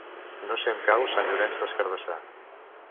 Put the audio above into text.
No sé on cau Sant Llorenç des Cardassar.